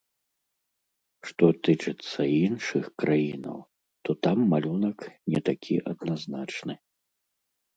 Што тычыцца іншых краінаў, то там малюнак не такі адназначны.